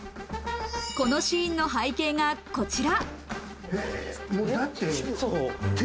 このシーンの背景がこちら。